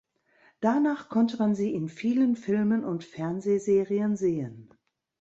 Danach konnte man sie in vielen Filmen und Fernsehserien sehen.